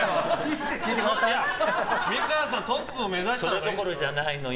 それどころじゃないのよ